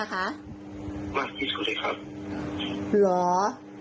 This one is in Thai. มากที่สุดครับ